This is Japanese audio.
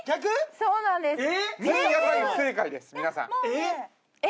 そうなんですよ